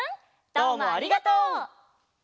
どうもありがとう。